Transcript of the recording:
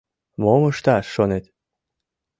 — Мом ышташ шонет?